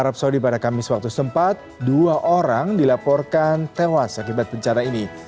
pada hari ini dua orang dilaporkan tewas akibat pencara ini